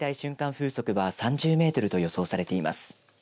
風速は３０メートルと予想されています。